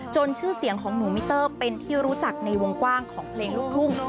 ชื่อเสียงของหนูมิเตอร์เป็นที่รู้จักในวงกว้างของเพลงลูกทุ่ง